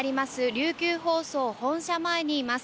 琉球放送本社前にいます。